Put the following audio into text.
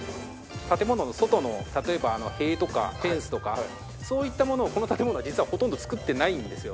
建物の外の例えば、塀とかフェンスとか、そういったものをこの建物は実は造ってないんですよ。